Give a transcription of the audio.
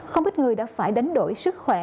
không ít người đã phải đánh đổi sức khỏe